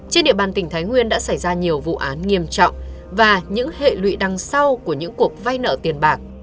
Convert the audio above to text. trên địa bàn tỉnh thái nguyên đã xảy ra nhiều vụ án nghiêm trọng và những hệ lụy đằng sau của những cuộc vay nợ tiền bạc